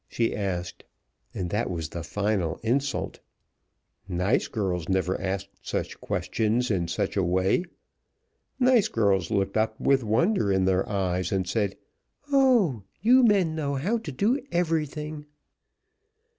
she asked, and that was the final insult. Nice girls never asked such questions in such a way. Nice girls looked up with wonder in their eyes and said, "Oh! You men know how to do everything!"